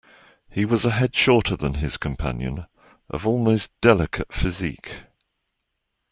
He was a head shorter than his companion, of almost delicate physique.